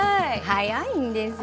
早いんですよ。